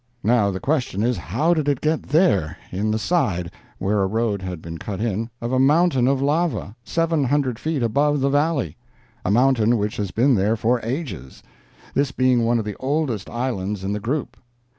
Now the question is how did it get there—in the side (where a road had been cut in) of a mountain of lava—seven hundred feet above the valley? a mountain which has been there for ages, this being one of the oldest islands in the group.